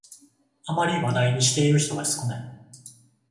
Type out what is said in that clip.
あまり話題にしている人が少ない